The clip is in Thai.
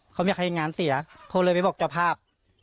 เขาไม่อยากให้งานเสียเขาเลยไปบอกเจ้าภาพ